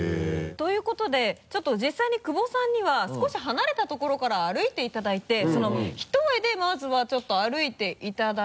ということでちょっと実際に久保さんには少し離れたところから歩いていただいて一重でまずはちょっと歩いていただいて。